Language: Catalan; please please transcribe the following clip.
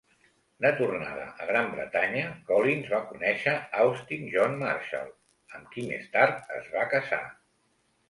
De tornada a Gran Bretanya, Collins va conèixer Austin John Marshall, amb qui més tard es va casar.